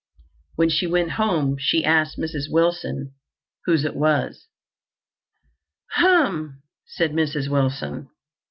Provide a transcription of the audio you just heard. When she went home she asked Mrs. Wilson whose it was. "Humph!" said Mrs. Wilson.